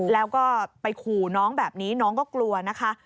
แล้วก็ไปขู่น้องแบบนี้น้องก็กลัวนะคะ